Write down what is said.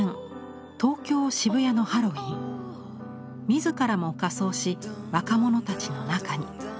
自らも仮装し若者たちの中に。